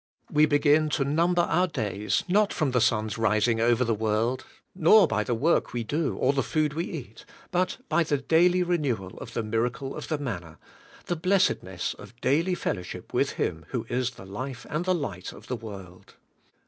We begin to number our days not from the sun's rising over the world, nor by the work we do or the food we eat, but by the daily renewal of the miracle of the manna, — the blessed ness of daily fellowship with him who is the Life and the Light of the world.